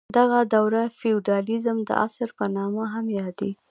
دغه دوره د فیوډالیزم د عصر په نامه هم یادیږي.